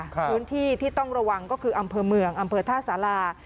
พื้นที่ที่ต้องระวังก็คืออำเภอเมืองอำเภอท่าสารา